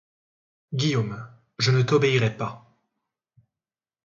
Guillaume, je ne t'obéirai pas.